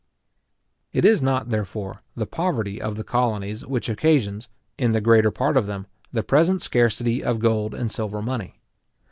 It is not, therefore, the poverty of the colonies which occasions, in the greater part of them, the present scarcity of gold and silver money.